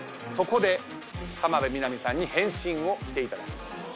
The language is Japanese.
そこで浜辺美波さんに変身をしていただきます。